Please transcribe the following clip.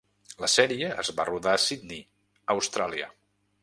La sèrie es va rodar a Sydney, Austràlia.